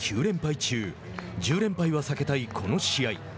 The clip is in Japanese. １０連敗は避けたい、この試合。